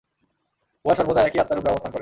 উহা সর্বদা একই আত্মারূপে অবস্থান করে।